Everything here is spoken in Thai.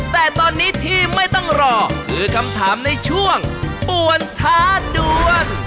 แต่ตอนนี้ที่ไม่ต้องรอคือคำถามในช่วงป่วนท้าด่วน